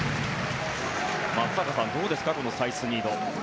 松坂さん、どうですかこのサイスニード。